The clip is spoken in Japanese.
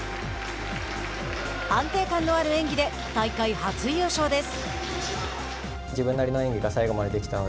安定感のある演技で大会初優勝です。